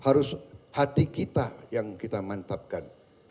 harus hati kita yang kita mantapkan